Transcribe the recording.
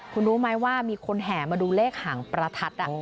คุณรู้ไหมว่ามีคนแห่มาดูเลขหางประทัด